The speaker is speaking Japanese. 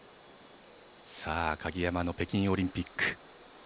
鍵山の北京オリンピック。